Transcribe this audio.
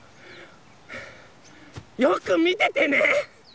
よくみててね！